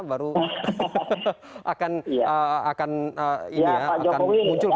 baru akan muncul ke publik